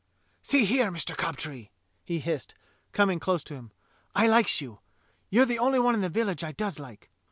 " See here, Mister Cob tree," he hissed, coming close to him; "I likes you; you're the only one in the village I does like.